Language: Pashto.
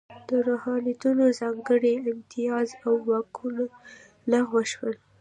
د روحانینو ځانګړي امتیازات او واکونه لغوه شول.